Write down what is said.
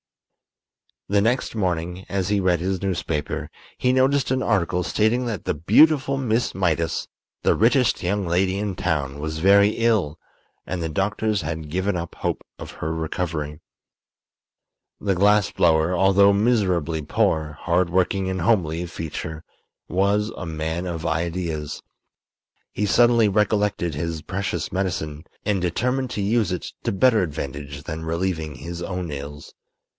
The next morning, as he read his newspaper, he noticed an article stating that the beautiful Miss Mydas, the richest young lady in town, was very ill, and the doctors had given up hope of her recovery. The glass blower, although miserably poor, hard working and homely of feature, was a man of ideas. He suddenly recollected his precious medicine, and determined to use it to better advantage than relieving his own ills.